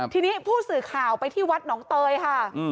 ทีนี้ผู้สื่อข่าวไปที่วัดหนองเตยค่ะ